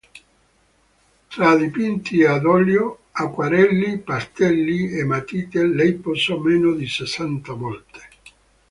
Tra dipinti ad olio, acquarelli, pastelli e matite lei posò meno di sessanta volte.